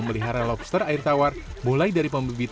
gila kok buruk sih rifat